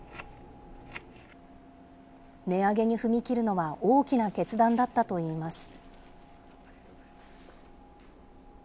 値上げに踏み切るのは大きな決断だったといいます。